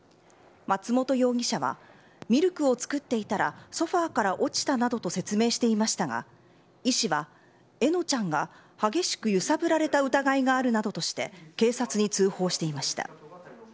松本容疑者は、ミルクを作っていたら、ソファーから落ちたなどと説明していましたが、医師はえのちゃんが激しく揺さぶられた疑いがあるなどとして、警察に通報していました。